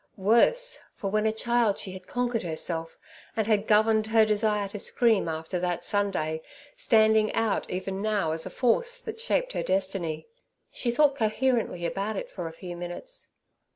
Worse, for when a child she had conquered herself, and had governed her desire to scream after that Sunday, standing out even now as a force that shaped her destiny. She thought coherently about it for a few minutes.